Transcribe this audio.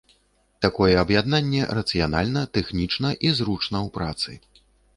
Такое аб'яднанне рацыянальна тэхнічна і зручна ў працы.